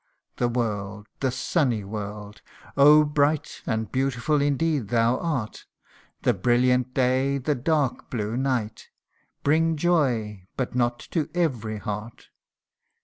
* The world ! the sunny world ! oh bright And beautiful indeed thou art The brilliant day, the dark blue night, Bring joy but not to every heart.